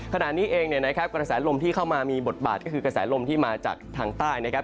ขณะนี้เองเนี่ยนะครับกระแสลมที่เข้ามามีบทบาทก็คือกระแสลมที่มาจากทางใต้นะครับ